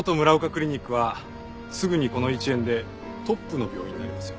クリニックはすぐにこの一円でトップの病院になりますよ。